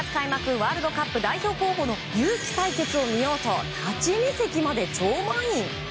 ワールドカップ代表候補のユウキ対決を見ようと立ち見席まで超満員。